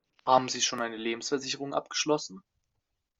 Haben Sie schon eine Lebensversicherung abgeschlossen?